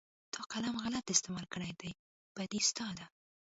تا قلم غلط استعمال کړى دى بدي ستا ده.